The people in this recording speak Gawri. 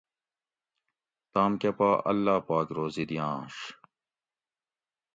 تام کۤہ پا اللّہ پاک روزی دِیانش